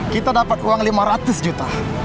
kita dapat uang lima ratus juta